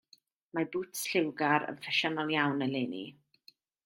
Mae bŵts lliwgar yn ffasiynol iawn eleni.